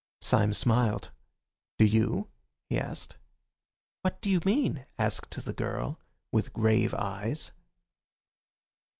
Syme smiled. "Do you?" he asked. "What do you mean?" asked the girl, with grave eyes.